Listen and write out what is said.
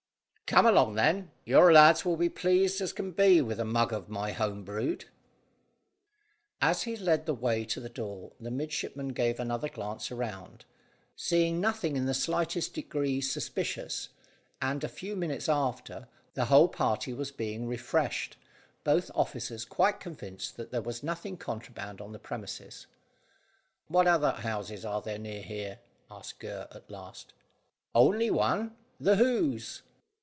"Come along then. Your lads will be as pleased as can be with a mug of my home brewed." As he led the way to the door the midshipman gave another glance round, seeing nothing in the slightest degree suspicious, and, a few minutes after, the whole party was being refreshed, both officers quite convinced that there was nothing contraband on the premises. "What other houses are there near here?" asked Gurr at last. "Only one. The Hoze."